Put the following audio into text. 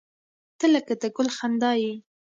• ته لکه د ګل خندا یې.